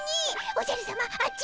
おじゃるさまあっち！